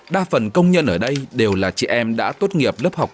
đa phần công nhân ở đây đều là chị em đã tốt nghiệp lớp học